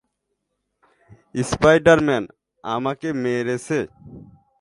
Spider Man আমাকে মেরেছে!